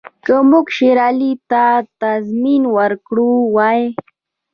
که موږ شېر علي ته تضمین ورکړی وای.